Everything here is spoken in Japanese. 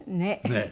ねっ。